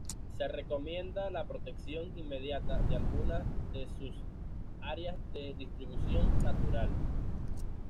Se recomienda la protección inmediata de alguna de sus áreas de distribución natural.